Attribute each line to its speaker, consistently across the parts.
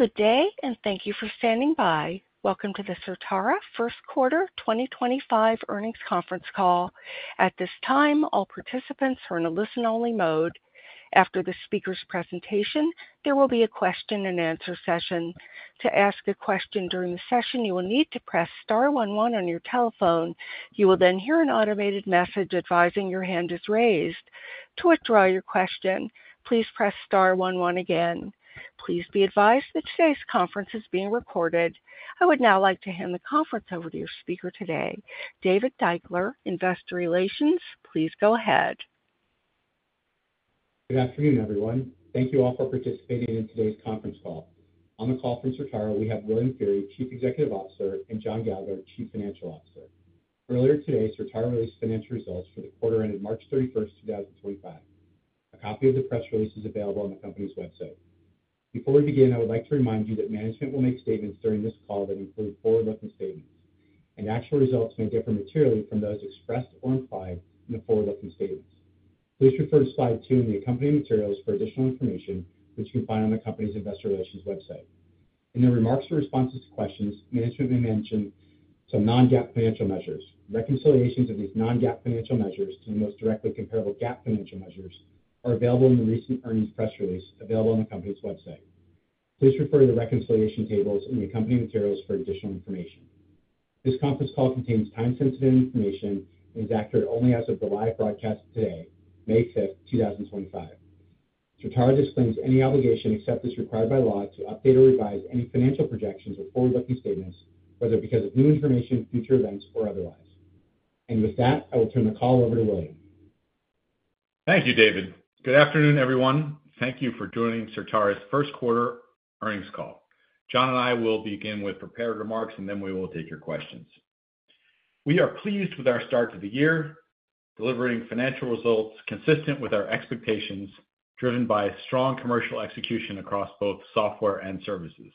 Speaker 1: Good day, and thank you for standing by. Welcome to the Certara first quarter 2025 earnings conference call. At this time, all participants are in a listen-only mode. After the speaker's presentation, there will be a question-and-answer session. To ask a question during the session, you will need to press star one one on your telephone. You will then hear an automated message advising your hand is raised. To withdraw your question, please press star one one again. Please be advised that today's conference is being recorded. I would now like to hand the conference over to your speaker today, David Deuchler, Investor Relations. Please go ahead.
Speaker 2: Good afternoon, everyone. Thank you all for participating in today's conference call. On the call from Certara, we have William Feehery, Chief Executive Officer, and John Gallagher, Chief Financial Officer. Earlier today, Certara released financial results for the quarter ended March 31st, 2025. A copy of the press release is available on the company's website. Before we begin, I would like to remind you that management will make statements during this call that include forward-looking statements, and actual results may differ materially from those expressed or implied in the forward-looking statements. Please refer to slide two in the accompanying materials for additional information, which you can find on the company's Investor Relations website. In their remarks or responses to questions, management may mention some non-GAAP financial measures. Reconciliations of these non-GAAP financial measures to the most directly comparable GAAP financial measures are available in the recent earnings press release available on the company's website. Please refer to the reconciliation tables in the accompanying materials for additional information. This conference call contains time-sensitive information and is accurate only as of the live broadcast today, May 5th, 2025. Certara disclaims any obligation except as required by law to update or revise any financial projections or forward-looking statements, whether because of new information, future events, or otherwise. I will turn the call over to William.
Speaker 3: Thank you, David. Good afternoon, everyone. Thank you for joining Certara's first quarter earnings call. John and I will begin with prepared remarks, and then we will take your questions. We are pleased with our start to the year, delivering financial results consistent with our expectations, driven by strong commercial execution across both software and services.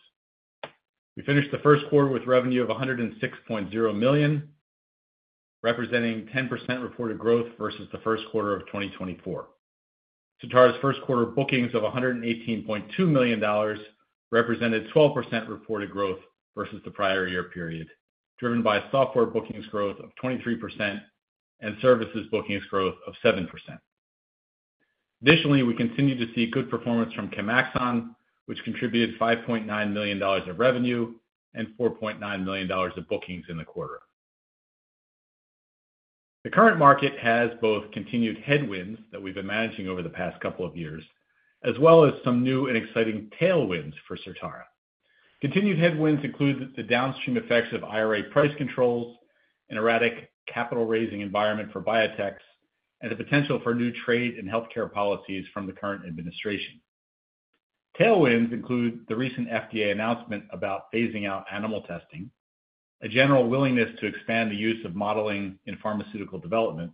Speaker 3: We finished the first quarter with revenue of $106.0 million, representing 10% reported growth versus the first quarter of 2024. Certara's first quarter bookings of $118.2 million represented 12% reported growth versus the prior year period, driven by software bookings growth of 23% and services bookings growth of 7%. Additionally, we continue to see good performance from Chemaxon, which contributed $5.9 million of revenue and $4.9 million of bookings in the quarter. The current market has both continued headwinds that we've been managing over the past couple of years, as well as some new and exciting tailwinds for Certara. Continued headwinds include the downstream effects of IRA price controls, an erratic capital-raising environment for biotechs, and the potential for new trade and healthcare policies from the current administration. Tailwinds include the recent FDA announcement about phasing out animal testing, a general willingness to expand the use of modeling in pharmaceutical development,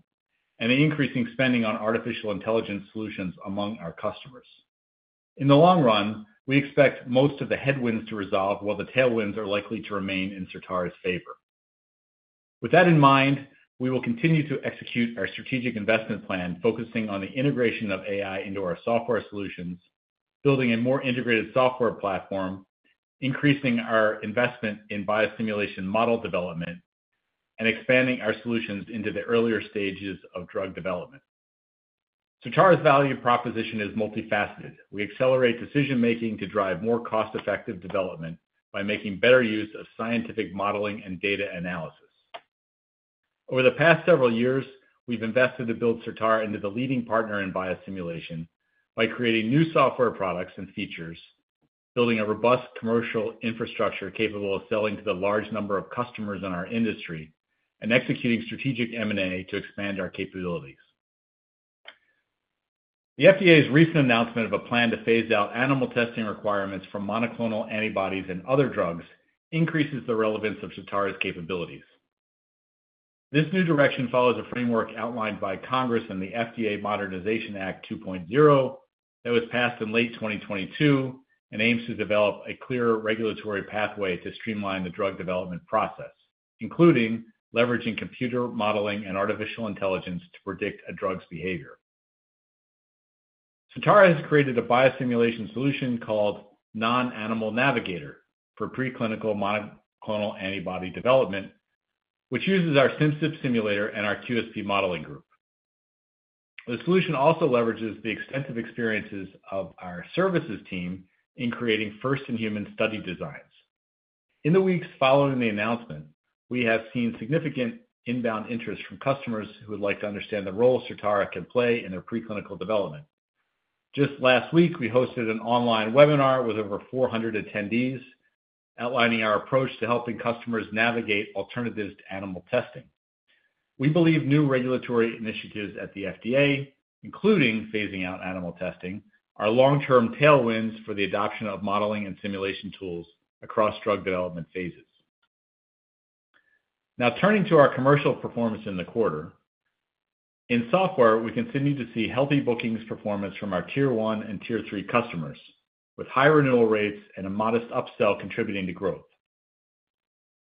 Speaker 3: and the increasing spending on artificial intelligence solutions among our customers. In the long run, we expect most of the headwinds to resolve, while the tailwinds are likely to remain in Certara's favor. With that in mind, we will continue to execute our strategic investment plan, focusing on the integration of AI into our software solutions, building a more integrated software platform, increasing our investment in Biosimulation model development, and expanding our solutions into the earlier stages of drug development. Certara's value proposition is multifaceted. We accelerate decision-making to drive more cost-effective development by making better use of scientific modeling and data analysis. Over the past several years, we've invested to build Certara into the leading partner in Biosimulation by creating new software products and features, building a robust commercial infrastructure capable of selling to the large number of customers in our industry, and executing strategic M&A to expand our capabilities. The FDA's recent announcement of a plan to phase out animal testing requirements for monoclonal antibodies and other drugs increases the relevance of Certara's capabilities. This new direction follows a framework outlined by Congress and the FDA Modernization Act 2.0 that was passed in late 2022 and aims to develop a clearer regulatory pathway to streamline the drug development process, including leveraging computer modeling and artificial intelligence to predict a drug's behavior. Certara has created a Biosimulation solution called Non-Animal Navigator for preclinical monoclonal antibody development, which uses our Simcyp simulator and our QSP modeling group. The solution also leverages the extensive experiences of our services team in creating first-in-human study designs. In the weeks following the announcement, we have seen significant inbound interest from customers who would like to understand the role Certara can play in their preclinical development. Just last week, we hosted an online webinar with over 400 attendees outlining our approach to helping customers navigate alternatives to animal testing. We believe new regulatory initiatives at the FDA, including phasing out animal testing, are long-term tailwinds for the adoption of modeling and simulation tools across drug development phases. Now, turning to our commercial performance in the quarter, in software, we continue to see healthy bookings performance from our Tier 1 and Tier 3 customers, with high renewal rates and a modest upsell contributing to growth.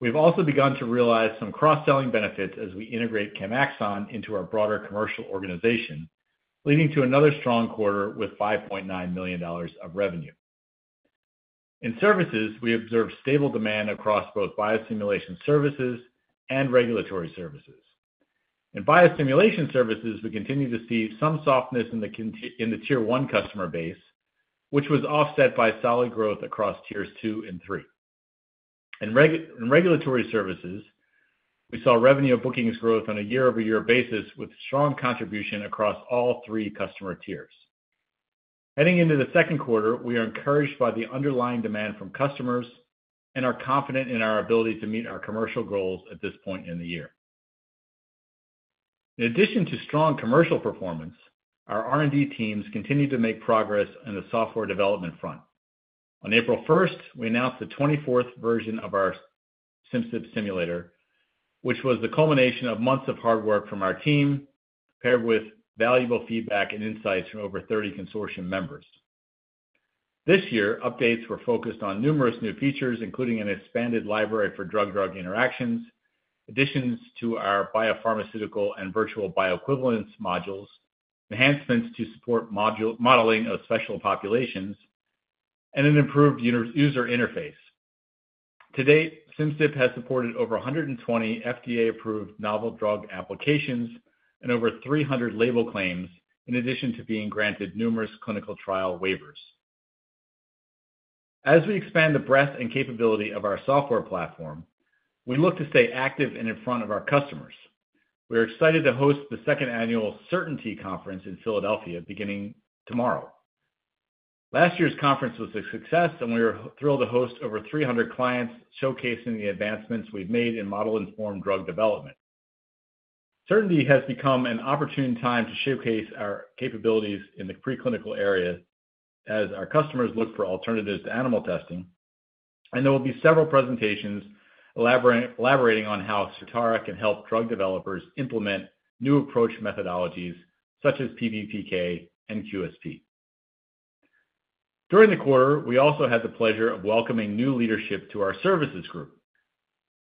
Speaker 3: We've also begun to realize some cross-selling benefits as we integrate Chemaxon into our broader commercial organization, leading to another strong quarter with $5.9 million of revenue. In services, we observe stable demand across both Biosimulation services and regulatory services. In Biosimulation services, we continue to see some softness in the Tier 1 customer base, which was offset by solid growth across tiers two and three. In regulatory services, we saw revenue bookings growth on a year-over-year basis with strong contribution across all three customer tiers. Heading into the second quarter, we are encouraged by the underlying demand from customers and are confident in our ability to meet our commercial goals at this point in the year. In addition to strong commercial performance, our R&D teams continue to make progress on the software development front. On April 1st, we announced the 24th version of our Simcyp Simulator, which was the culmination of months of hard work from our team, paired with valuable feedback and insights from over 30 consortium members. This year, updates were focused on numerous new features, including an expanded library for drug-drug interactions, additions to our biopharmaceutical and virtual bioequivalence modules, enhancements to support modeling of special populations, and an improved user interface. To date, Simcyp has supported over 120 FDA-approved novel drug applications and over 300 label claims, in addition to being granted numerous clinical trial waivers. As we expand the breadth and capability of our software platform, we look to stay active and in front of our customers. We are excited to host the Second Annual Certainty conference in Philadelphia beginning tomorrow. Last year's conference was a success, and we were thrilled to host over 300 clients showcasing the advancements we've made in model-informed drug development. Certainty has become an opportune time to showcase our capabilities in the preclinical area as our customers look for alternatives to animal testing, and there will be several presentations elaborating on how Certara can help drug developers implement new approach methodologies such as PBPK and QSP. During the quarter, we also had the pleasure of welcoming new leadership to our services group.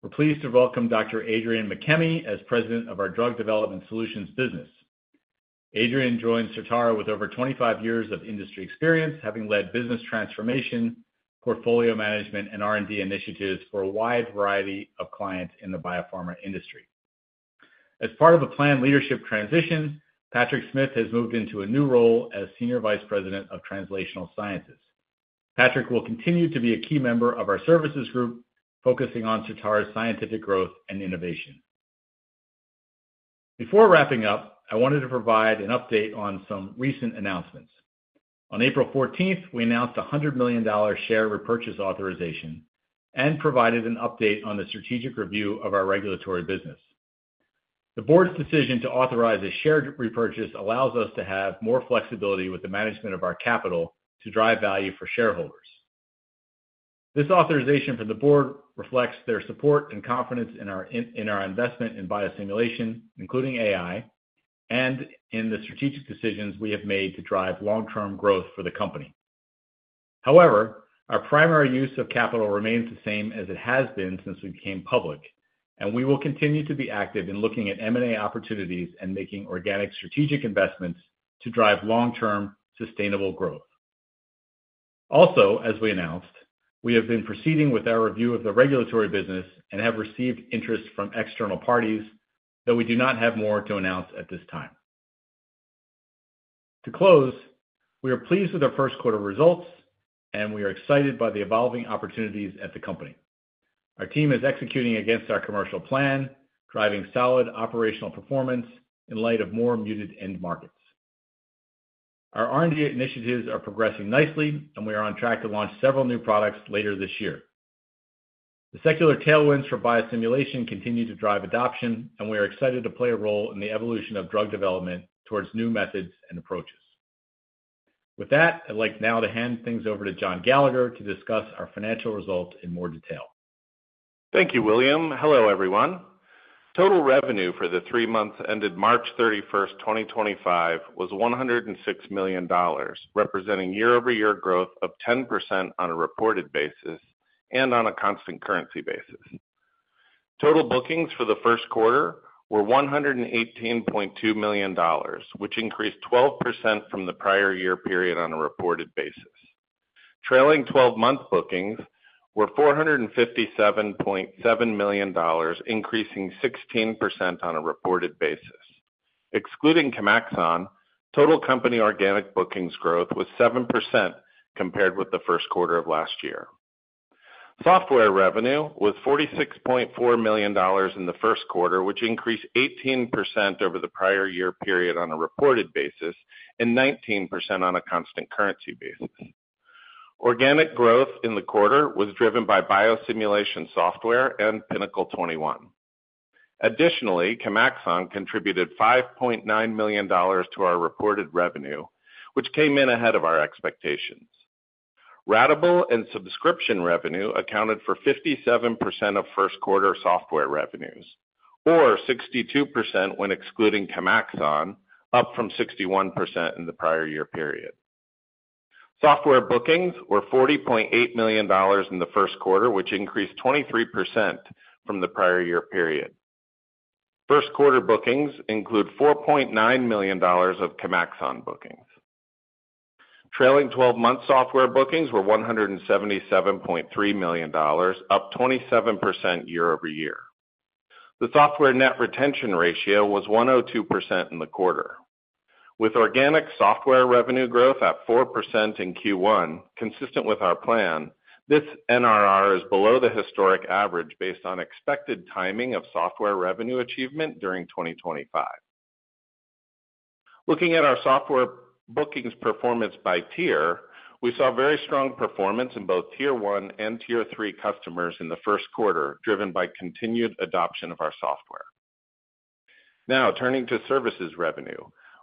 Speaker 3: We're pleased to welcome Dr. Adrian McKemey as President of our drug development solutions business. Adrian joins Certara with over 25 years of industry experience, having led business transformation, portfolio management, and R&D initiatives for a wide variety of clients in the biopharma industry. As part of a planned leadership transition, Patrick Smith has moved into a new role as Senior Vice President of Translational Sciences. Patrick will continue to be a key member of our services group, focusing on Certara's scientific growth and innovation. Before wrapping up, I wanted to provide an update on some recent announcements. On April 14th, we announced a $100 million share repurchase authorization and provided an update on the strategic review of our regulatory business. The board's decision to authorize a share repurchase allows us to have more flexibility with the management of our capital to drive value for shareholders. This authorization from the board reflects their support and confidence in our investment in Biosimulation, including AI, and in the strategic decisions we have made to drive long-term growth for the company. However, our primary use of capital remains the same as it has been since we became public, and we will continue to be active in looking at M&A opportunities and making organic strategic investments to drive long-term sustainable growth. Also, as we announced, we have been proceeding with our review of the regulatory business and have received interest from external parties, though we do not have more to announce at this time. To close, we are pleased with our first quarter results, and we are excited by the evolving opportunities at the company. Our team is executing against our commercial plan, driving solid operational performance in light of more muted end markets. Our R&D initiatives are progressing nicely, and we are on track to launch several new products later this year. The secular tailwinds for Biosimulation continue to drive adoption, and we are excited to play a role in the evolution of drug development towards new methods and approaches. With that, I'd like now to hand things over to John Gallagher to discuss our financial results in more detail.
Speaker 4: Thank you, William. Hello, everyone. Total revenue for the three months ended March 31st, 2025, was $106 million, representing year-over-year growth of 10% on a reported basis and on a constant currency basis. Total bookings for the first quarter were $118.2 million, which increased 12% from the prior year period on a reported basis. Trailing 12-month bookings were $457.7 million, increasing 16% on a reported basis. Excluding Chemaxon, total company organic bookings growth was 7% compared with the first quarter of last year. Software revenue was $46.4 million in the first quarter, which increased 18% over the prior year period on a reported basis and 19% on a constant currency basis. Organic growth in the quarter was driven by Biosimulation software and Pinnacle 21. Additionally, Chemaxon contributed $5.9 million to our reported revenue, which came in ahead of our expectations. Ratable and subscription revenue accounted for 57% of first quarter software revenues, or 62% when excluding Chemaxon, up from 61% in the prior year period. Software bookings were $40.8 million in the first quarter, which increased 23% from the prior year period. First quarter bookings include $4.9 million of Chemaxon bookings. Trailing 12-month software bookings were $177.3 million, up 27% year-over-year. The software net retention ratio was 102% in the quarter. With organic software revenue growth at 4% in Q1, consistent with our plan, this NRR is below the historic average based on expected timing of software revenue achievement during 2025. Looking at our software bookings performance by tier, we saw very strong performance in both Tier 1 and Tier 3 customers in the first quarter, driven by continued adoption of our software. Now, turning to services revenue,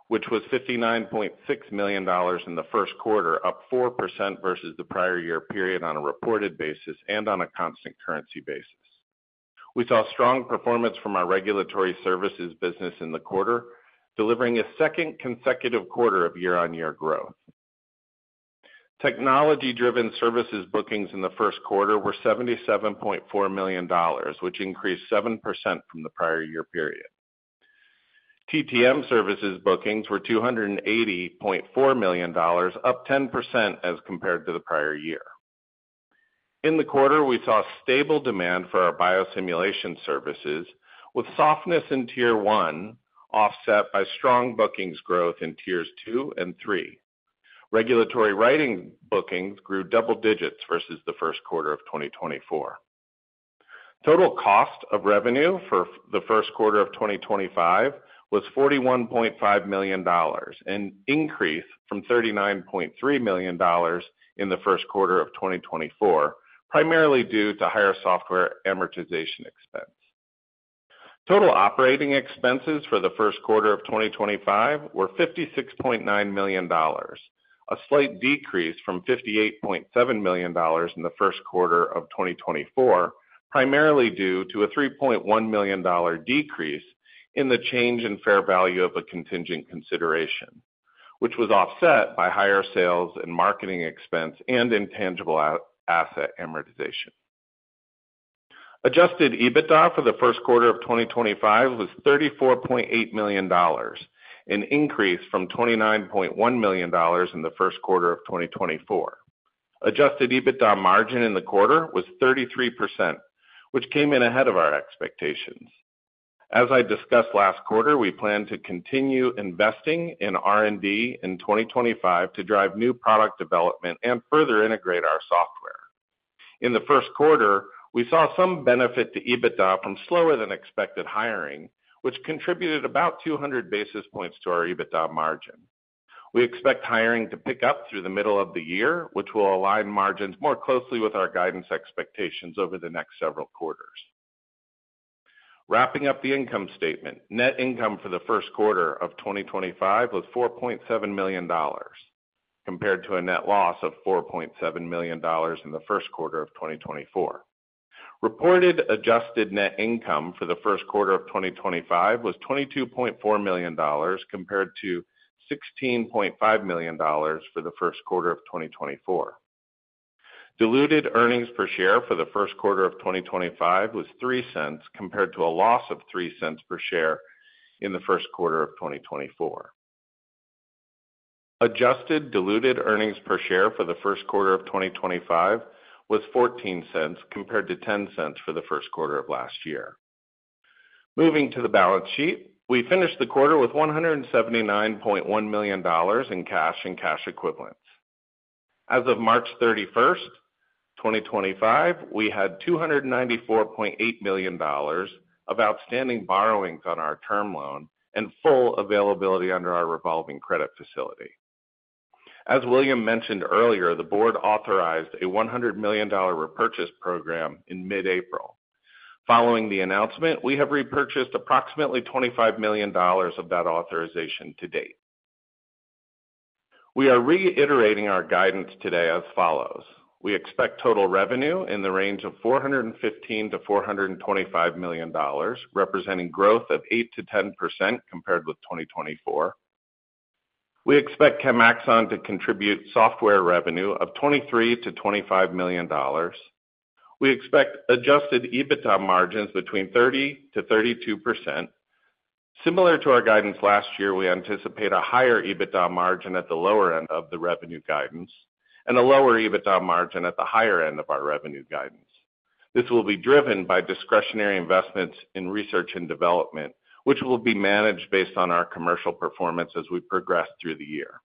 Speaker 4: which was $59.6 million in the first quarter, up 4% versus the prior year period on a reported basis and on a constant currency basis. We saw strong performance from our regulatory services business in the quarter, delivering a second consecutive quarter of year-on-year growth. Technology-driven services bookings in the first quarter were $77.4 million, which increased 7% from the prior year period. TTM services bookings were $280.4 million, up 10% as compared to the prior year. In the quarter, we saw stable demand for our Biosimulation services, with softness in Tier 1 offset by strong bookings growth in Tiers 2 and 3. Regulatory writing bookings grew double digits versus the first quarter of 2024. Total cost of revenue for the first quarter of 2025 was $41.5 million, an increase from $39.3 million in the first quarter of 2024, primarily due to higher software amortization expense. Total operating expenses for the first quarter of 2025 were $56.9 million, a slight decrease from $58.7 million in the first quarter of 2024, primarily due to a $3.1 million decrease in the change in fair value of a contingent consideration, which was offset by higher sales and marketing expense and intangible asset amortization. Adjusted EBITDA for the first quarter of 2025 was $34.8 million, an increase from $29.1 million in the first quarter of 2024. Adjusted EBITDA margin in the quarter was 33%, which came in ahead of our expectations. As I discussed last quarter, we plan to continue investing in R&D in 2025 to drive new product development and further integrate our software. In the first quarter, we saw some benefit to EBITDA from slower-than-expected hiring, which contributed about 200 basis points to our EBITDA margin. We expect hiring to pick up through the middle of the year, which will align margins more closely with our guidance expectations over the next several quarters. Wrapping up the income statement, net income for the first quarter of 2025 was $4.7 million, compared to a net loss of $4.7 million in the first quarter of 2024. Reported adjusted net income for the first quarter of 2025 was $22.4 million, compared to $16.5 million for the first quarter of 2024. Diluted earnings per share for the first quarter of 2025 was $0.03, compared to a loss of $0.03 per share in the first quarter of 2024. Adjusted diluted earnings per share for the first quarter of 2025 was $0.14, compared to $0.10 for the first quarter of last year. Moving to the balance sheet, we finished the quarter with $179.1 million in cash and cash equivalents. As of March 31st, 2025, we had $294.8 million of outstanding borrowings on our term loan and full availability under our revolving credit facility. As William mentioned earlier, the board authorized a $100 million repurchase program in mid-April. Following the announcement, we have repurchased approximately $25 million of that authorization to date. We are reiterating our guidance today as follows. We expect total revenue in the range of $415 million-$425 million, representing growth of 8%-10% compared with 2024. We expect Chemaxon to contribute software revenue of $23 million-$25 million. We expect adjusted EBITDA margins between 30%-32%. Similar to our guidance last year, we anticipate a higher EBITDA margin at the lower end of the revenue guidance and a lower EBITDA margin at the higher end of our revenue guidance. This will be driven by discretionary investments in research and development, which will be managed based on our commercial performance as we progress through the year.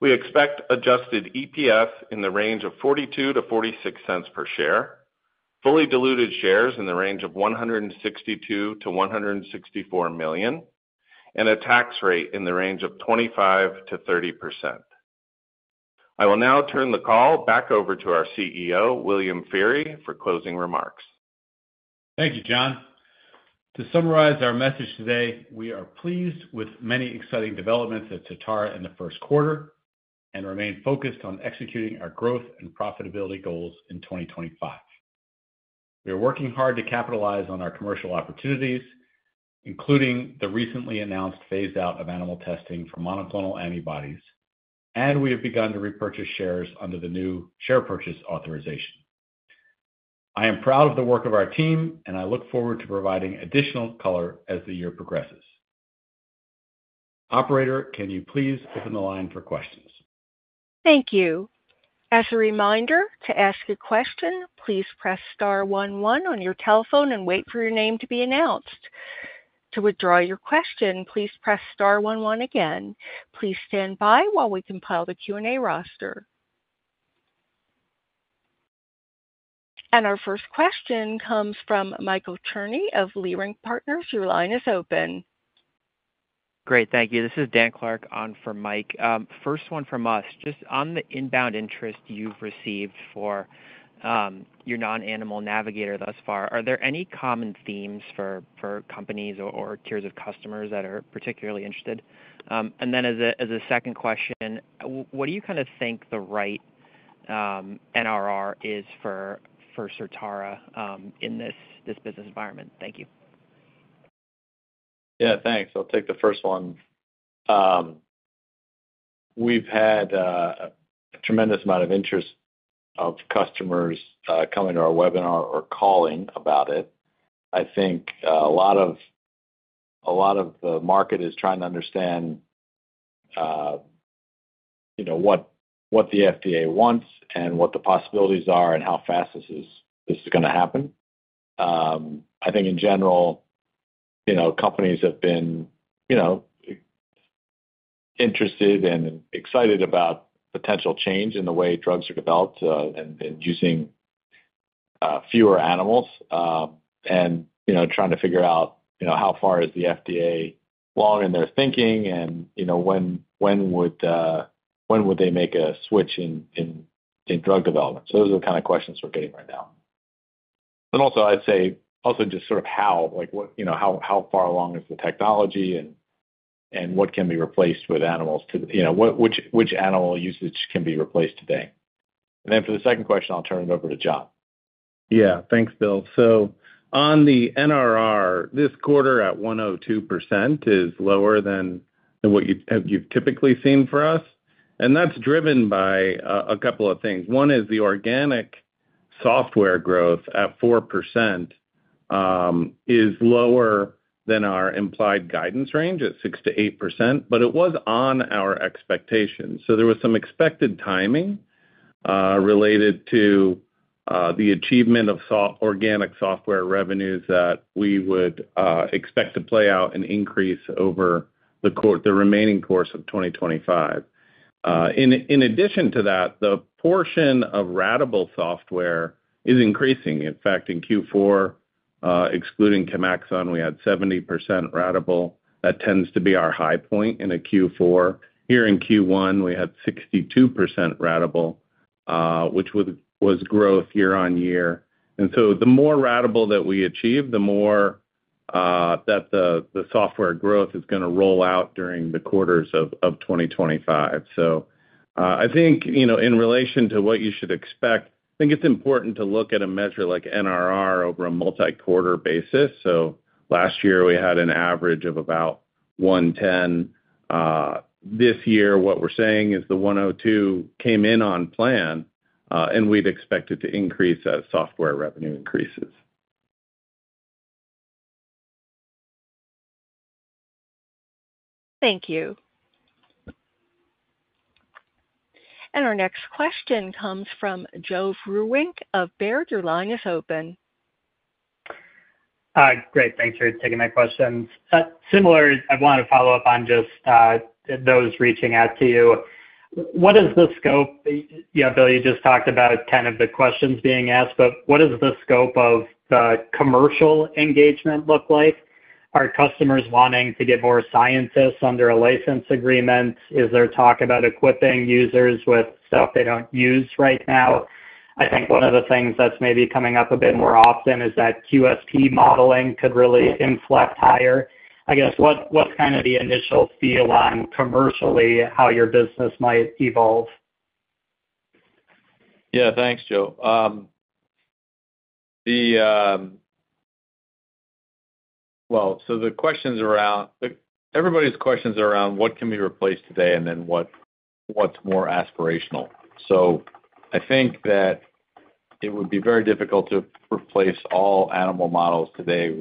Speaker 4: We expect adjusted EPS in the range of $0.42-$0.46 per share, fully diluted shares in the range of $162 million-$164 million, and a tax rate in the range of 25%-30%. I will now turn the call back over to our CEO, William Feehery, for closing remarks.
Speaker 3: Thank you, John. To summarize our message today, we are pleased with many exciting developments at Certara in the first quarter and remain focused on executing our growth and profitability goals in 2025. We are working hard to capitalize on our commercial opportunities, including the recently announced phase-out of animal testing for monoclonal antibodies, and we have begun to repurchase shares under the new share purchase authorization. I am proud of the work of our team, and I look forward to providing additional color as the year progresses. Operator, can you please open the line for questions?
Speaker 1: Thank you. As a reminder, to ask a question, please press star one one on your telephone and wait for your name to be announced. To withdraw your question, please press star one one again. Please stand by while we compile the Q&A roster. Our first question comes from Michael Cherny of Leerink Partners. Your line is open.
Speaker 5: Great. Thank you. This is Dan Clark on for Mike. First one from us. Just on the inbound interest you've received for your Non-Animal Navigator thus far, are there any common themes for companies or tiers of customers that are particularly interested? As a second question, what do you kind of think the right NRR is for Certara in this business environment? Thank you.
Speaker 3: Yeah, thanks. I'll take the first one. We've had a tremendous amount of interest of customers coming to our webinar or calling about it. I think a lot of the market is trying to understand what the FDA wants and what the possibilities are and how fast this is going to happen. I think in general, companies have been interested and excited about potential change in the way drugs are developed and using fewer animals and trying to figure out how far is the FDA along in their thinking and when would they make a switch in drug development. Those are the kind of questions we're getting right now. I'd say also just sort of how, like how far along is the technology and what can be replaced with animals, which animal usage can be replaced today. For the second question, I'll turn it over to John.
Speaker 4: Yeah, thanks, Bill. On the NRR, this quarter at 102% is lower than what you've typically seen for us. That's driven by a couple of things. One is the organic software growth at 4% is lower than our implied guidance range at 6%-8%, but it was on our expectations. There was some expected timing related to the achievement of organic software revenues that we would expect to play out and increase over the remaining course of 2025. In addition to that, the portion of ratable software is increasing. In fact, in Q4, excluding Chemaxon, we had 70% ratable. That tends to be our high point in a Q4. Here in Q1, we had 62% ratable, which was growth year-on-year. The more ratable that we achieve, the more that the software growth is going to roll out during the quarters of 2025. I think in relation to what you should expect, I think it's important to look at a measure like NRR over a multi-quarter basis. Last year, we had an average of about 110%. This year, what we're saying is the 102% came in on plan, and we'd expect it to increase as software revenue increases.
Speaker 1: Thank you. Our next question comes from Joe Vruwink of Baird. Your line is open.
Speaker 6: Hi, great. Thanks for taking my questions. Similar, I want to follow up on just those reaching out to you. What is the scope? You just talked about kind of the questions being asked, but what is the scope of the commercial engagement look like? Are customers wanting to get more scientists under a license agreement? Is there talk about equipping users with stuff they do not use right now? I think one of the things that is maybe coming up a bit more often is that QSP modeling could really inflect higher. I guess what is kind of the initial feel on commercially how your business might evolve?
Speaker 3: Yeah, thanks, Joe. The questions around everybody's questions are around what can be replaced today and then what's more aspirational. I think that it would be very difficult to replace all animal models today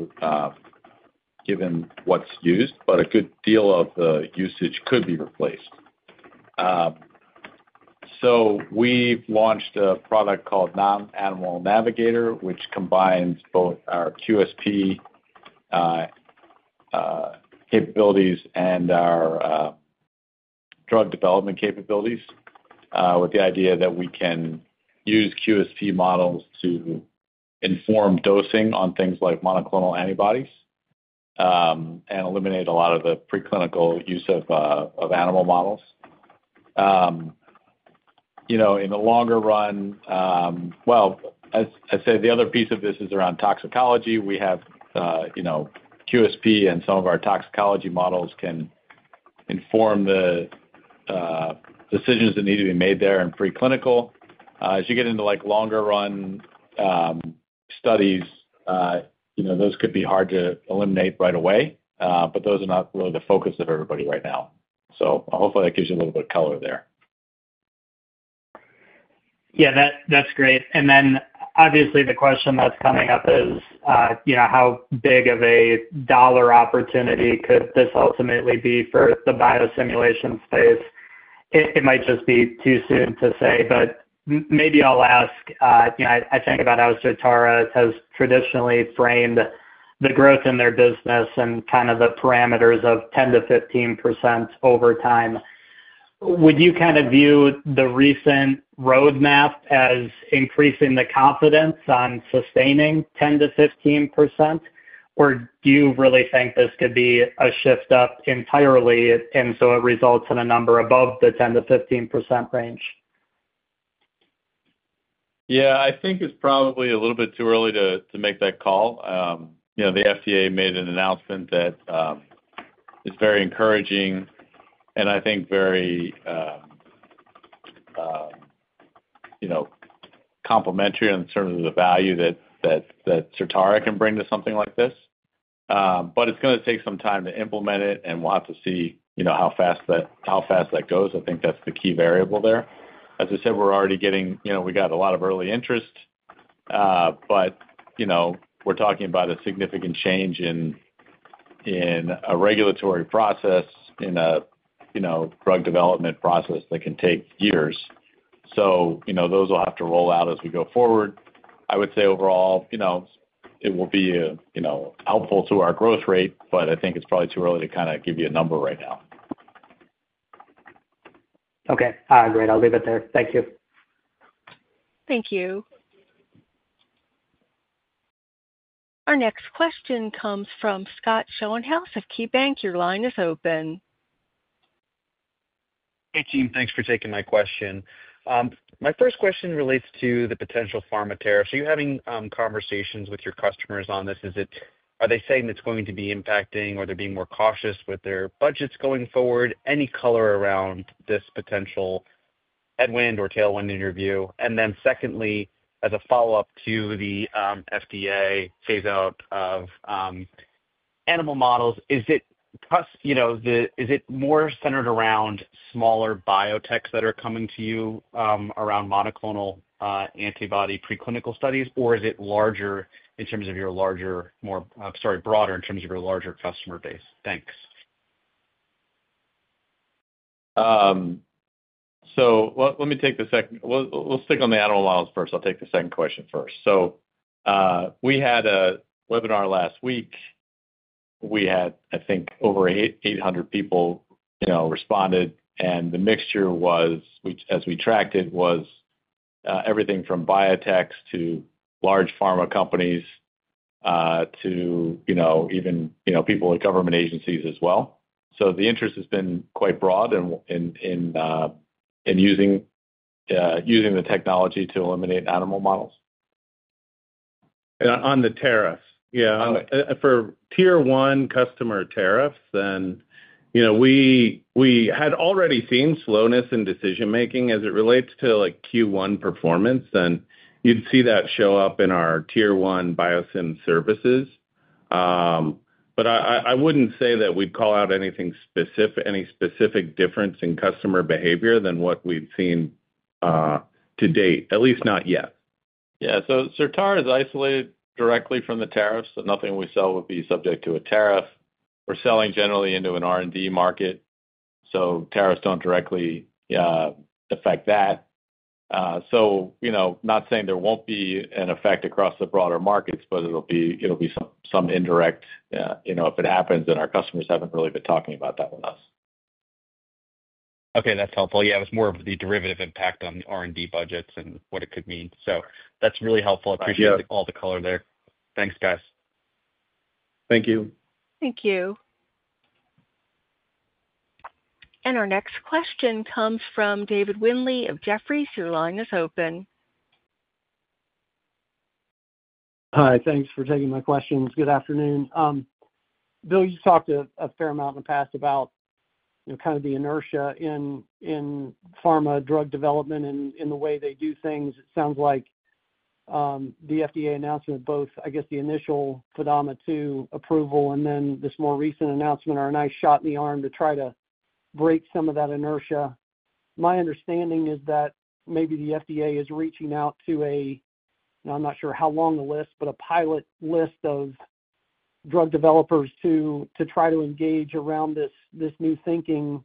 Speaker 3: given what's used, but a good deal of the usage could be replaced. We've launched a product called Non-Animal Navigator, which combines both our QSP capabilities and our drug development capabilities with the idea that we can use QSP models to inform dosing on things like monoclonal antibodies and eliminate a lot of the preclinical use of animal models. In the longer run, I say the other piece of this is around toxicology. We have QSP, and some of our toxicology models can inform the decisions that need to be made there in preclinical. As you get into longer-run studies, those could be hard to eliminate right away, but those are not really the focus of everybody right now. Hopefully, that gives you a little bit of color there.
Speaker 6: Yeah, that's great. Obviously, the question that's coming up is how big of a dollar opportunity could this ultimately be for the Biosimulation space? It might just be too soon to say, but maybe I'll ask. I think about how Certara has traditionally framed the growth in their business and kind of the parameters of 10%-15% over time. Would you kind of view the recent roadmap as increasing the confidence on sustaining 10%-15%, or do you really think this could be a shift up entirely and so it results in a number above the 10%-15% range?
Speaker 3: Yeah, I think it's probably a little bit too early to make that call. The FDA made an announcement that is very encouraging and I think very complimentary in terms of the value that Certara can bring to something like this. It is going to take some time to implement it, and we'll have to see how fast that goes. I think that's the key variable there. As I said, we're already getting we got a lot of early interest, but we're talking about a significant change in a regulatory process in a drug development process that can take years. Those will have to roll out as we go forward. I would say overall, it will be helpful to our growth rate, but I think it's probably too early to kind of give you a number right now.
Speaker 5: Okay. All right, great. I'll leave it there. Thank you.
Speaker 1: Thank you. Our next question comes from Scott Schoenhaus of KeyBanc. Your line is open.
Speaker 5: Hey, team. Thanks for taking my question. My first question relates to the potential pharma tariffs. You're having conversations with your customers on this. Are they saying it's going to be impacting, or are they being more cautious with their budgets going forward? Any color around this potential headwind or tailwind in your view? Secondly, as a follow-up to the FDA phase-out of animal models, is it more centered around smaller biotechs that are coming to you around monoclonal antibody preclinical studies, or is it broader in terms of your larger customer base? Thanks.
Speaker 3: Let me take the second—well, we'll stick on the animal models first. I'll take the second question first. We had a webinar last week. We had, I think, over 800 people responded, and the mixture was, as we tracked it, was everything from biotechs to large pharma companies to even people at government agencies as well. The interest has been quite broad in using the technology to eliminate animal models.
Speaker 4: On the tariffs, yeah. For Tier 1 customer tariffs, then we had already seen slowness in decision-making as it relates to Q1 performance, and you'd see that show up in our Tier 1 biosim services. I wouldn't say that we'd call out any specific difference in customer behavior than what we've seen to date, at least not yet.
Speaker 3: Yeah. Certara is isolated directly from the tariffs, so nothing we sell would be subject to a tariff. We're selling generally into an R&D market, so tariffs do not directly affect that. Not saying there will not be an effect across the broader markets, but it will be some indirect—if it happens, then our customers have not really been talking about that with us.
Speaker 5: Okay. That's helpful. Yeah, it was more of the derivative impact on R&D budgets and what it could mean. That's really helpful. I appreciate all the color there. Thanks, guys.
Speaker 4: Thank you.
Speaker 1: Thank you. Our next question comes from David Windley of Jefferies. Your line is open.
Speaker 5: Hi, thanks for taking my questions. Good afternoon. Bill, you've talked a fair amount in the past about kind of the inertia in pharma drug development and the way they do things. It sounds like the FDA announcement of both, I guess, the initial FDA Modernization Act 2.0 approval and then this more recent announcement are a nice shot in the arm to try to break some of that inertia. My understanding is that maybe the FDA is reaching out to a—now I'm not sure how long the list, but a pilot list of drug developers to try to engage around this new thinking.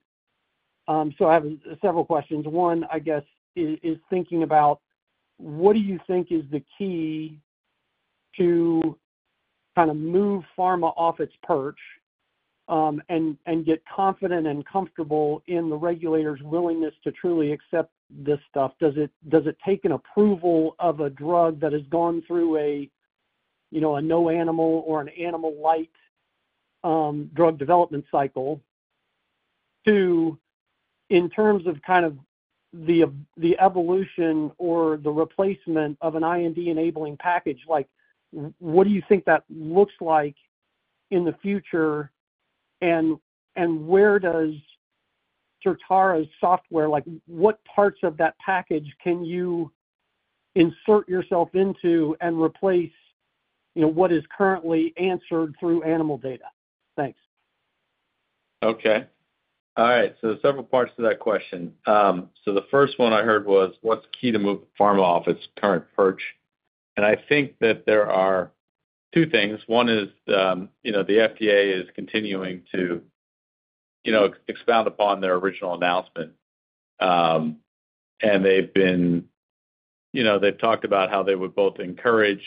Speaker 5: I have several questions. One, I guess, is thinking about what do you think is the key to kind of move pharma off its perch and get confident and comfortable in the regulator's willingness to truly accept this stuff? Does it take an approval of a drug that has gone through a no-animal or an animal-light drug development cycle to, in terms of kind of the evolution or the replacement of an IND-enabling package? What do you think that looks like in the future, and where does Certara's software—what parts of that package can you insert yourself into and replace what is currently answered through animal data? Thanks.
Speaker 3: Okay. All right. Several parts to that question. The first one I heard was, what's key to move pharma off its current perch? I think that there are two things. One is the FDA is continuing to expound upon their original announcement, and they've talked about how they would both encourage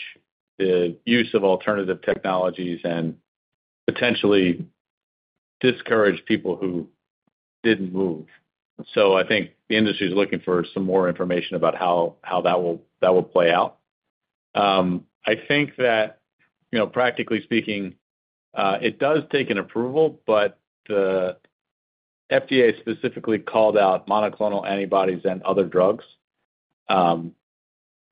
Speaker 3: the use of alternative technologies and potentially discourage people who didn't move. I think the industry is looking for some more information about how that will play out. I think that, practically speaking, it does take an approval, but the FDA specifically called out monoclonal antibodies and other drugs.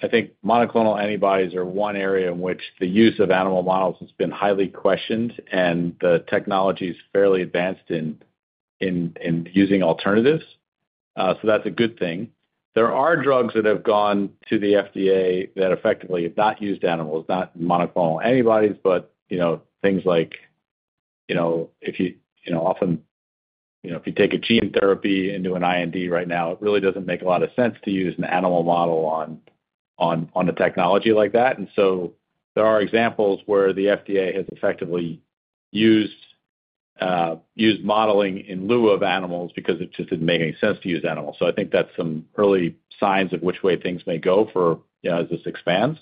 Speaker 3: I think monoclonal antibodies are one area in which the use of animal models has been highly questioned, and the technology is fairly advanced in using alternatives. That's a good thing. There are drugs that have gone to the FDA that effectively have not used animals, not monoclonal antibodies, but things like if you often—if you take a gene therapy and do an IND right now, it really doesn't make a lot of sense to use an animal model on a technology like that. There are examples where the FDA has effectively used modeling in lieu of animals because it just didn't make any sense to use animals. I think that's some early signs of which way things may go as this expands.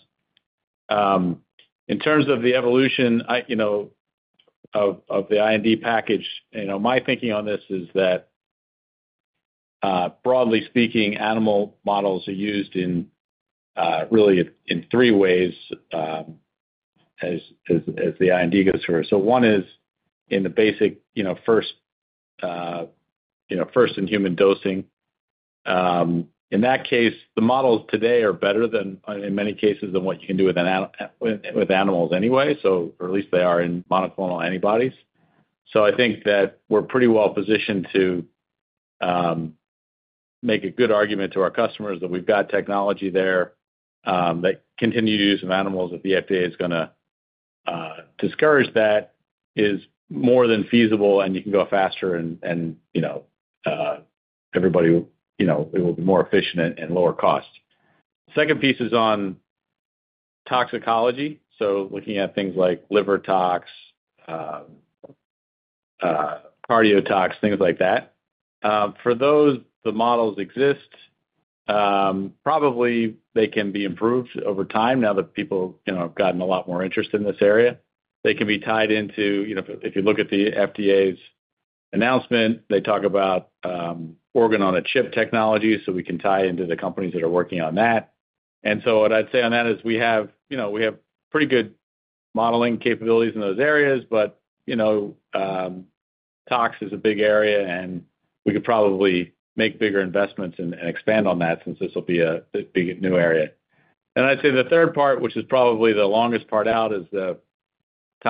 Speaker 3: In terms of the evolution of the IND package, my thinking on this is that, broadly speaking, animal models are used really in three ways as the IND goes through. One is in the basic first in human dosing. In that case, the models today are better in many cases than what you can do with animals anyway, or at least they are in monoclonal antibodies. I think that we're pretty well positioned to make a good argument to our customers that we've got technology there, that continued use of animals that the FDA is going to discourage, that is more than feasible, and you can go faster, and everybody will be more efficient and lower cost. The second piece is on toxicology. Looking at things like liver tox, cardio tox, things like that. For those, the models exist. Probably they can be improved over time now that people have gotten a lot more interest in this area. They can be tied into—if you look at the FDA's announcement, they talk about organ-on-a-chip technology, so we can tie into the companies that are working on that. What I'd say on that is we have pretty good modeling capabilities in those areas, but tox is a big area, and we could probably make bigger investments and expand on that since this will be a new area. I'd say the third part, which is probably the longest part out, is kind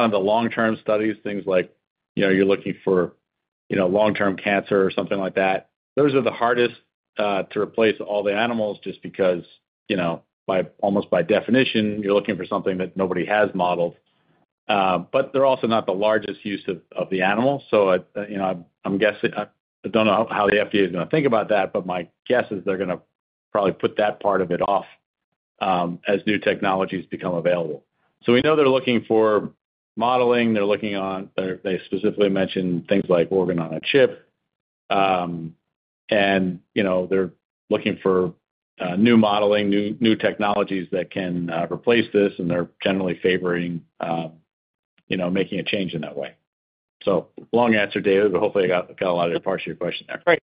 Speaker 3: of the long-term studies, things like you're looking for long-term cancer or something like that. Those are the hardest to replace all the animals just because, almost by definition, you're looking for something that nobody has modeled. They're also not the largest use of the animal. I don't know how the FDA is going to think about that, but my guess is they're going to probably put that part of it off as new technologies become available. We know they're looking for modeling. They specifically mentioned things like organ-on-a-chip, and they're looking for new modeling, new technologies that can replace this, and they're generally favoring making a change in that way. Long answer, David, but hopefully, I got a lot of the parts of your question there.
Speaker 7: Great.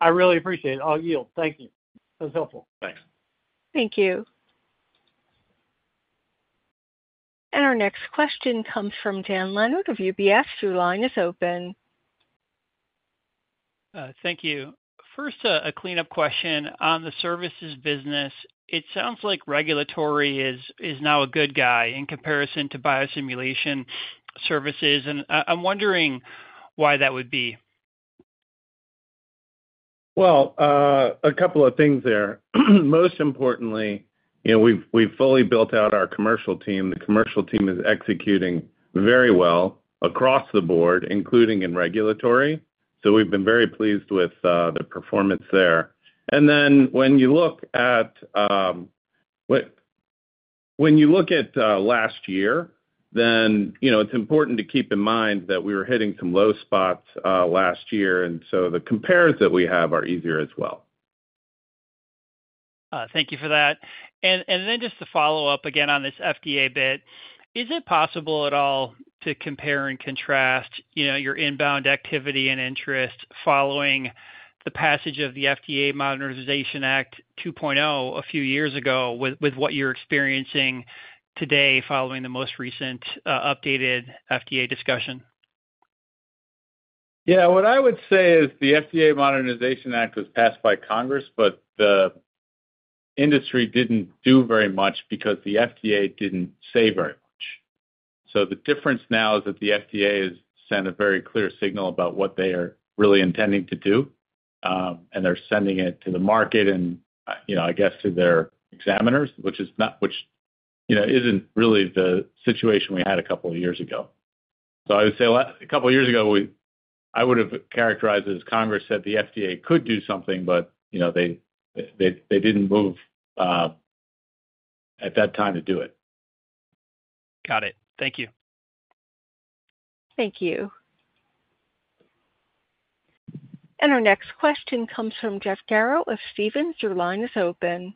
Speaker 7: I really appreciate it. I'll yield. Thank you. That was helpful.
Speaker 3: Thanks.
Speaker 1: Thank you. Our next question comes from Dan Leonard of UBS. Your line is open.
Speaker 8: Thank you. First, a cleanup question. On the services business, it sounds like regulatory is now a good guy in comparison to Biosimulation services, and I'm wondering why that would be.
Speaker 4: A couple of things there. Most importantly, we've fully built out our commercial team. The commercial team is executing very well across the board, including in regulatory. We've been very pleased with the performance there. When you look at last year, it's important to keep in mind that we were hitting some low spots last year, and the compares that we have are easier as well.
Speaker 8: Thank you for that. Just to follow up again on this FDA bit, is it possible at all to compare and contrast your inbound activity and interest following the passage of the FDA Modernization Act 2.0 a few years ago with what you're experiencing today following the most recent updated FDA discussion?
Speaker 3: Yeah. What I would say is the FDA Modernization Act was passed by Congress, but the industry didn't do very much because the FDA didn't say very much. The difference now is that the FDA has sent a very clear signal about what they are really intending to do, and they're sending it to the market and, I guess, to their examiners, which isn't really the situation we had a couple of years ago. I would say a couple of years ago, I would have characterized it as Congress said the FDA could do something, but they didn't move at that time to do it.
Speaker 8: Got it. Thank you.
Speaker 1: Thank you. Our next question comes from Jeff Garro of Stephens. Your line is open.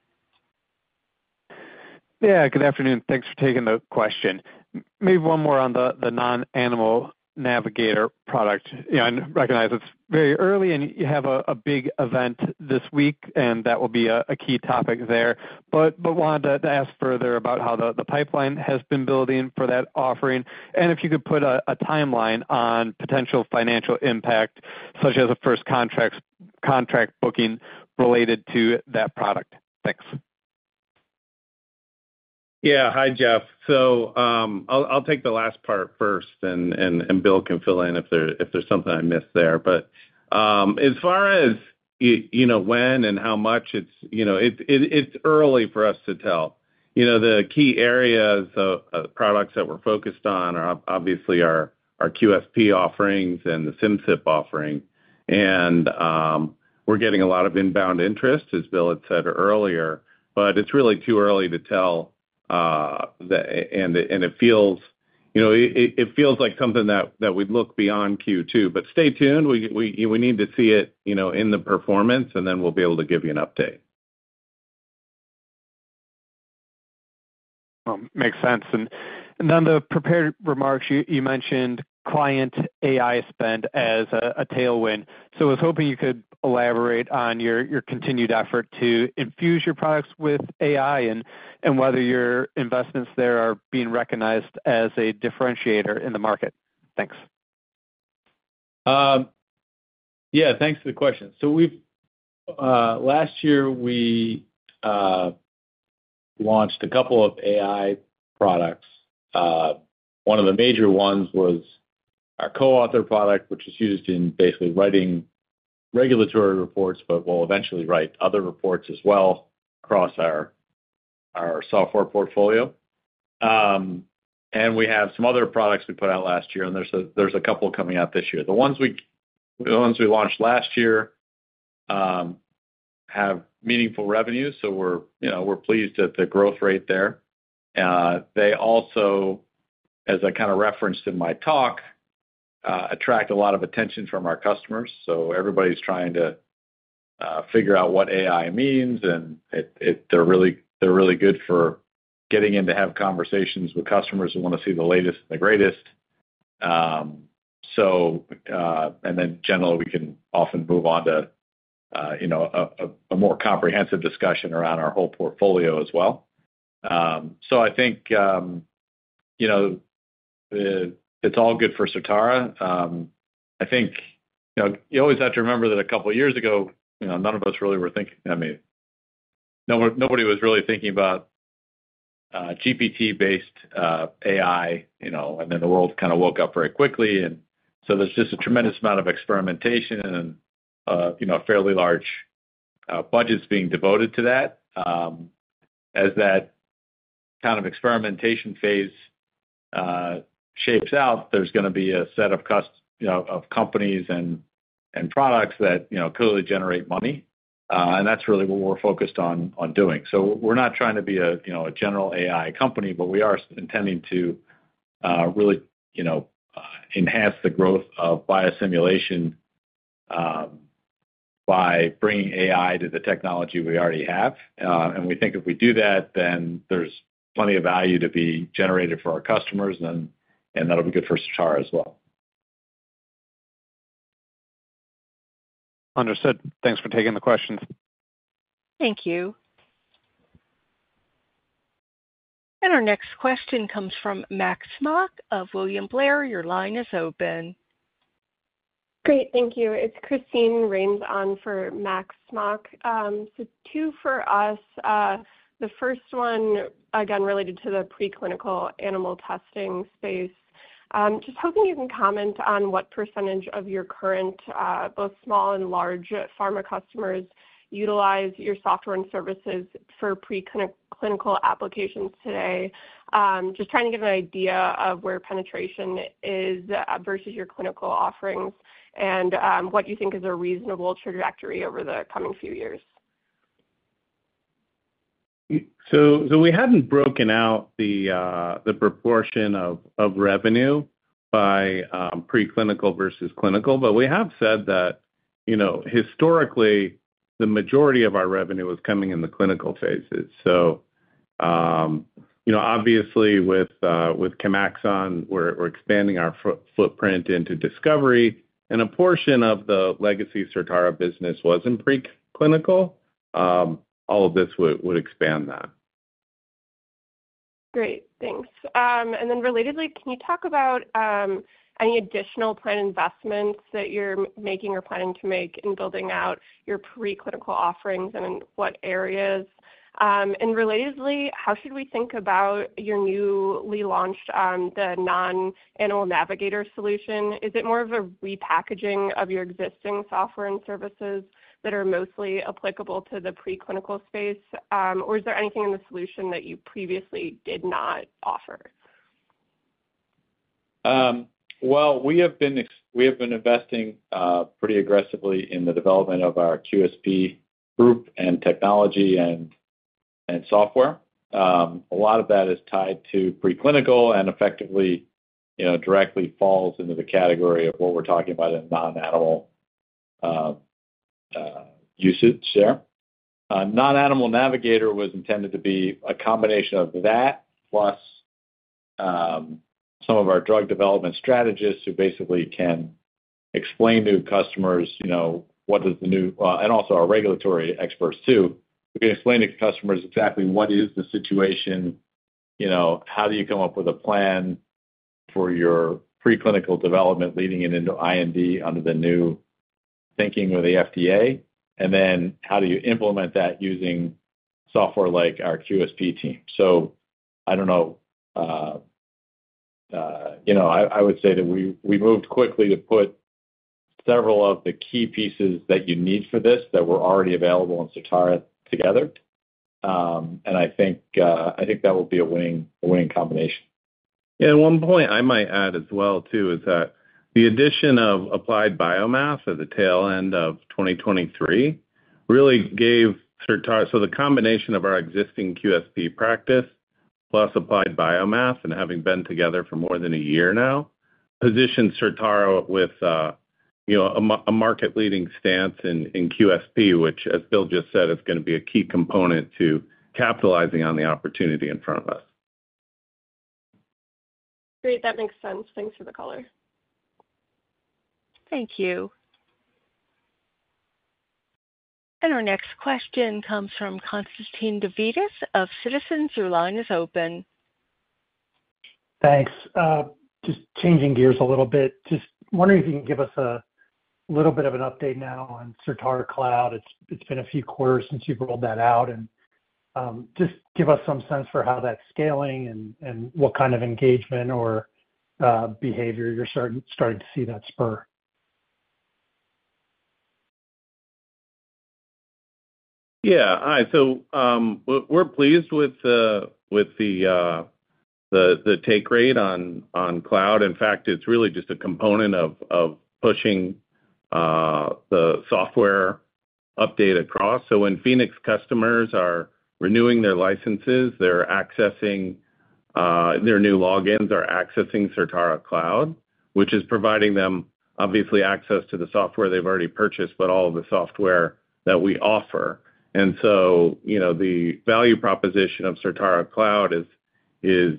Speaker 9: Yeah. Good afternoon. Thanks for taking the question. Maybe one more on the Non-Animal Navigator product. I recognize it's very early, and you have a big event this week, and that will be a key topic there. I wanted to ask further about how the pipeline has been building for that offering, and if you could put a timeline on potential financial impact, such as a first contract booking related to that product. Thanks.
Speaker 4: Yeah. Hi, Jeff. I'll take the last part first, and Bill can fill in if there's something I missed there. As far as when and how much, it's early for us to tell. The key areas of products that we're focused on are obviously our QSP offerings and the Simcyp offering. We're getting a lot of inbound interest, as Bill had said earlier, but it's really too early to tell, and it feels like something that we'd look beyond Q2. Stay tuned. We need to see it in the performance, and then we'll be able to give you an update.
Speaker 9: Makes sense. In the prepared remarks, you mentioned client AI spend as a tailwind. I was hoping you could elaborate on your continued effort to infuse your products with AI and whether your investments there are being recognized as a differentiator in the market. Thanks.
Speaker 3: Yeah. Thanks for the question. Last year, we launched a couple of AI products. One of the major ones was our CoAuthor product, which is used in basically writing regulatory reports, but we'll eventually write other reports as well across our software portfolio. We have some other products we put out last year, and there's a couple coming out this year. The ones we launched last year have meaningful revenue, so we're pleased at the growth rate there. They also, as I kind of referenced in my talk, attract a lot of attention from our customers. Everybody's trying to figure out what AI means, and they're really good for getting in to have conversations with customers who want to see the latest and the greatest. Generally, we can often move on to a more comprehensive discussion around our whole portfolio as well. I think it's all good for Certara. I think you always have to remember that a couple of years ago, none of us really were thinking—I mean, nobody was really thinking about GPT-based AI, and then the world kind of woke up very quickly. There's just a tremendous amount of experimentation and fairly large budgets being devoted to that. As that kind of experimentation phase shapes out, there's going to be a set of companies and products that clearly generate money, and that's really what we're focused on doing. We're not trying to be a general AI company, but we are intending to really enhance the growth of Biosimulation by bringing AI to the technology we already have. We think if we do that, then there's plenty of value to be generated for our customers, and that'll be good for Certara as well.
Speaker 9: Understood. Thanks for taking the questions.
Speaker 1: Thank you. Our next question comes from Max Smock of William Blair. Your line is open.
Speaker 10: Great. Thank you. It's Christine Rains on for Max Smock. Two for us. The first one, again, related to the preclinical animal testing space. Just hoping you can comment on what percentage of your current, both small and large pharma customers utilize your software and services for preclinical applications today. Just trying to get an idea of where penetration is versus your clinical offerings and what you think is a reasonable trajectory over the coming few years.
Speaker 4: We have not broken out the proportion of revenue by preclinical versus clinical, but we have said that historically, the majority of our revenue was coming in the clinical phases. Obviously, with Chemaxon, we are expanding our footprint into discovery, and a portion of the legacy Certara business was in preclinical. All of this would expand that.
Speaker 10: Great. Thanks. Relatedly, can you talk about any additional planned investments that you're making or planning to make in building out your preclinical offerings and in what areas? Relatedly, how should we think about your newly launched Non-Animal Navigator solution? Is it more of a repackaging of your existing software and services that are mostly applicable to the preclinical space, or is there anything in the solution that you previously did not offer?
Speaker 3: We have been investing pretty aggressively in the development of our QSP group and technology and software. A lot of that is tied to preclinical and effectively directly falls into the category of what we're talking about in non-animal usage there. Non-Animal Navigator was intended to be a combination of that plus some of our drug development strategists who basically can explain to customers what is the new—and also our regulatory experts too. We can explain to customers exactly what is the situation, how do you come up with a plan for your preclinical development leading it into IND under the new thinking of the FDA, and then how do you implement that using software like our QSP team. I don't know. I would say that we moved quickly to put several of the key pieces that you need for this that were already available in Certara together, and I think that will be a winning combination.
Speaker 4: Yeah. One point I might add as well too is that the addition of Applied Biomath at the tail end of 2023 really gave Certara—so the combination of our existing QSP practice plus Applied Biomath and having been together for more than a year now positioned Certara with a market-leading stance in QSP, which, as Bill just said, is going to be a key component to capitalizing on the opportunity in front of us.
Speaker 10: Great. That makes sense. Thanks for the color.
Speaker 1: Thank you. Our next question comes from Constantine Davides of Citizens. Your line is open.
Speaker 11: Thanks. Just changing gears a little bit. Just wondering if you can give us a little bit of an update now on Certara Cloud. It's been a few quarters since you've rolled that out, and just give us some sense for how that's scaling and what kind of engagement or behavior you're starting to see that spur.
Speaker 4: Yeah. Hi. We're pleased with the take rate on cloud. In fact, it's really just a component of pushing the software update across. When Phoenix customers are renewing their licenses, their new logins are accessing Certara Cloud, which is providing them, obviously, access to the software they've already purchased, but all of the software that we offer. The value proposition of Certara Cloud is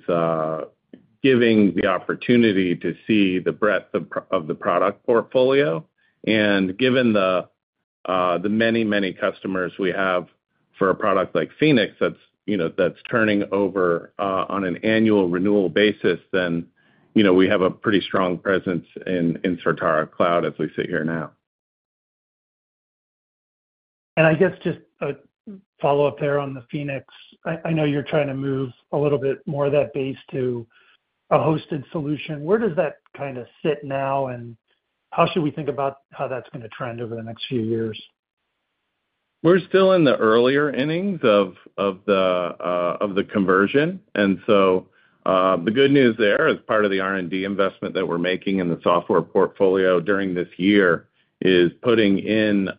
Speaker 4: giving the opportunity to see the breadth of the product portfolio. Given the many, many customers we have for a product like Phoenix that's turning over on an annual renewal basis, we have a pretty strong presence in Certara Cloud as we sit here now.
Speaker 11: I guess just a follow-up there on the Phoenix. I know you're trying to move a little bit more of that base to a hosted solution. Where does that kind of sit now, and how should we think about how that's going to trend over the next few years?
Speaker 4: We're still in the earlier innings of the conversion. The good news there, as part of the R&D investment that we're making in the software portfolio during this year, is putting in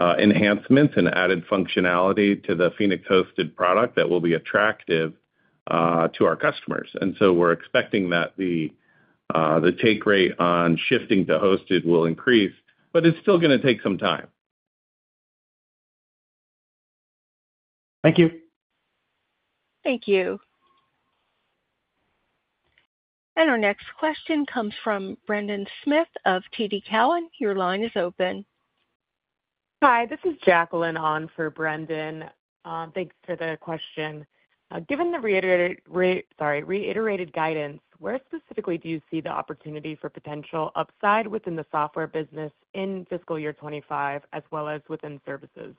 Speaker 4: enhancements and added functionality to the Phoenix hosted product that will be attractive to our customers. We're expecting that the take rate on shifting to hosted will increase, but it's still going to take some time.
Speaker 11: Thank you.
Speaker 1: Thank you. Our next question comes from Brendan Smith of TD Cowen. Your line is open.
Speaker 12: Hi. This is Jacqueline on for Brendan. Thanks for the question. Given the reiterated guidance, where specifically do you see the opportunity for potential upside within the software business in fiscal year 2025, as well as within services?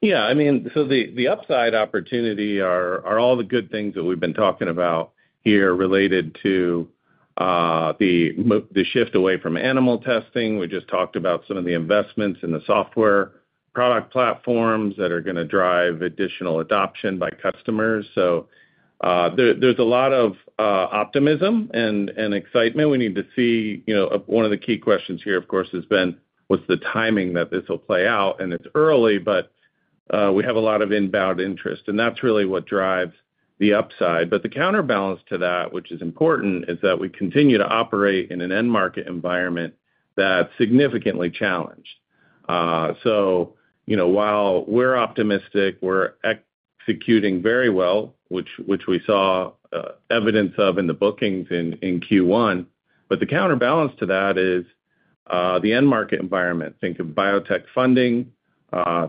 Speaker 3: Yeah. I mean, the upside opportunity are all the good things that we've been talking about here related to the shift away from animal testing. We just talked about some of the investments in the software product platforms that are going to drive additional adoption by customers. There is a lot of optimism and excitement. We need to see one of the key questions here, of course, has been: what's the timing that this will play out? It is early, but we have a lot of inbound interest, and that's really what drives the upside. The counterbalance to that, which is important, is that we continue to operate in an end market environment that's significantly challenged. While we're optimistic, we're executing very well, which we saw evidence of in the bookings in Q1. The counterbalance to that is the end market environment. Think of biotech funding,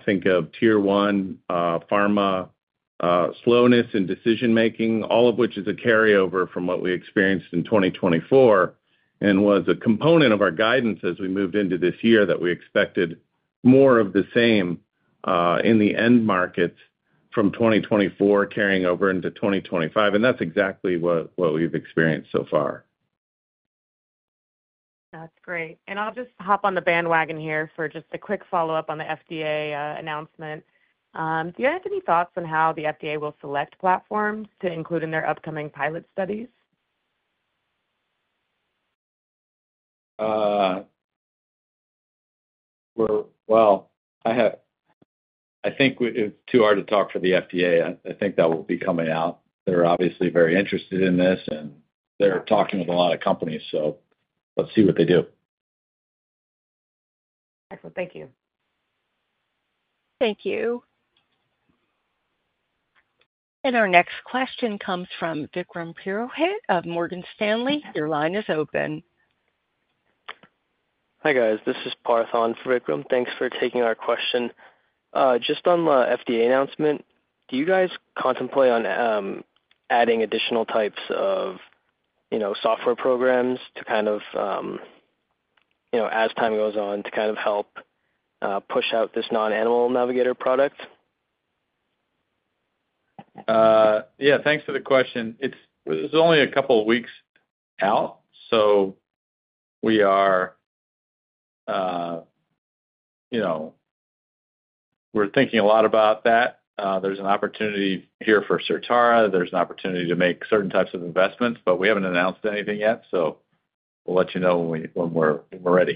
Speaker 3: think of Tier 1 pharma slowness in decision-making, all of which is a carryover from what we experienced in 2024 and was a component of our guidance as we moved into this year that we expected more of the same in the end markets from 2024 carrying over into 2025. That's exactly what we've experienced so far.
Speaker 12: That's great. I'll just hop on the bandwagon here for just a quick follow-up on the FDA announcement. Do you have any thoughts on how the FDA will select platforms to include in their upcoming pilot studies?
Speaker 3: I think it's too hard to talk for the FDA. I think that will be coming out. They're obviously very interested in this, and they're talking with a lot of companies, so let's see what they do.
Speaker 12: Excellent. Thank you.
Speaker 1: Thank you. Our next question comes from Vikram Purohit of Morgan Stanley. Your line is open.
Speaker 13: Hi guys. This is Parth on for Vikram. Thanks for taking our question. Just on the FDA announcement, do you guys contemplate on adding additional types of software programs to kind of, as time goes on, to kind of help push out this Non-Animal Navigator product?
Speaker 3: Yeah. Thanks for the question. It's only a couple of weeks out, so we're thinking a lot about that. There's an opportunity here for Certara. There's an opportunity to make certain types of investments, but we haven't announced anything yet, so we'll let you know when we're ready.